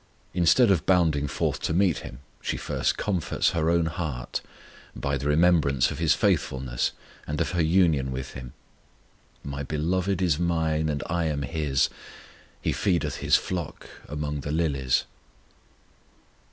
Instead of bounding forth to meet Him, she first comforts her own heart by the remembrance of His faithfulness, and of her union with Him: My Beloved is mine, and I am His: He feedeth His flock among the lilies.